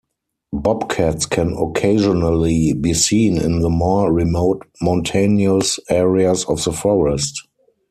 Bobcats can occasionally be seen in the more remote mountainous areas of the forest.